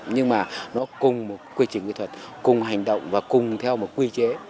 nhưng mà nó cùng một quy trình kỹ thuật cùng hành động và cùng theo một quy chế